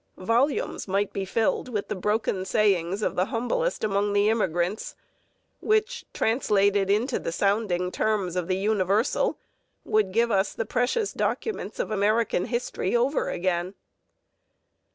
Volumes might be filled with the broken sayings of the humblest among the immigrants which, translated into the sounding terms of the universal, would give us the precious documents of American history over again.